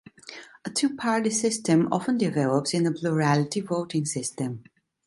A two-party system often develops in a plurality voting system.